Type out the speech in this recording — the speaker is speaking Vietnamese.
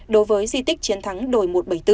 đối với di tích chiến thắng đồi một trăm bảy mươi bốn